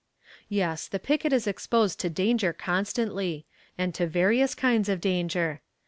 Yes, the picket is exposed to danger constantly, and to various kinds of danger.